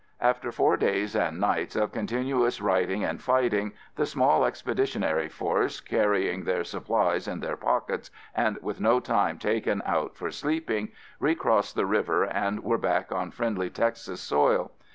After four days and night of continuous riding and fighting, the small expeditionary force, carrying their supplies in their pockets and with no time taken out for sleeping, recrossed the river and were back on friendly Texas soil.